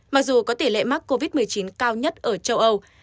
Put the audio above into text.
mặc dù có tỷ lệ mắc covid một mươi chín cao nhất ở châu âu